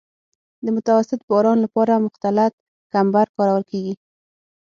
د متوسط باران لپاره مختلط کمبر کارول کیږي